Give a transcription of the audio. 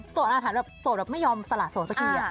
โสดอาถรรพ์แบบโสดแบบไม่ยอมสละโสดเมื่อกี้